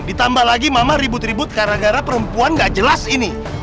ditambah lagi mama ribut ribut gara gara perempuan gak jelas ini